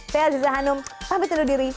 saya aziza hanum sampai tiba diri